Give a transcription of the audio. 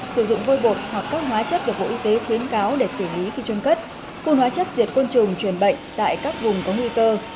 sử dụng vôi bột hoặc các hóa chất được bộ y tế khuyến cáo để xử lý khi trôn cất phun hóa chất diệt côn trùng truyền bệnh tại các vùng có nguy cơ